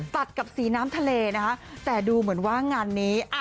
ตัดกับสีน้ำทะเลนะคะแต่ดูเหมือนว่างานนี้